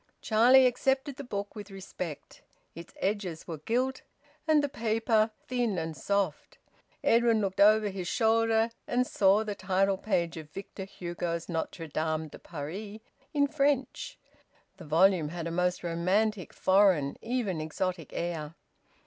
Charlie accepted the book with respect. Its edges were gilt, and the paper thin and soft. Edwin looked over his shoulder, and saw the title page of Victor Hugo's "Notre Dame de Paris," in French. The volume had a most romantic, foreign, even exotic air.